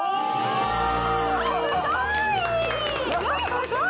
すごい！